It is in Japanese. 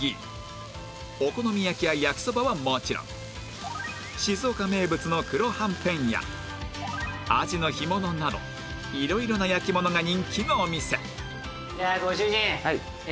お好み焼きや焼きそばはもちろん静岡名物の黒はんぺんやあじのひものなど色々な焼き物が人気のお店ではご主人。